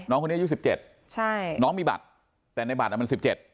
น้องคนนี้อายุ๑๗ปีน้องมีบัตรแต่ในบัตรมัน๑๗ปี